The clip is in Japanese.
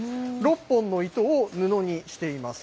６本の糸を布にしています。